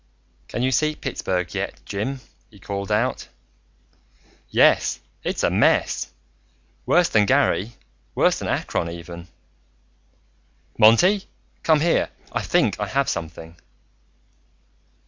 "Can you see Pittsburgh yet, Jim?" he called out. "Yes, it's a mess! Worse than Gary, worse than Akron even." "Monty! Come here! I think I have something!"